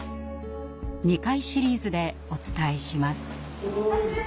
２回シリーズでお伝えします。